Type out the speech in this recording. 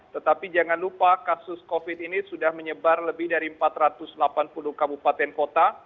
tetapi jangan lupa kasus covid ini sudah menyebar lebih dari empat ratus delapan puluh kabupaten kota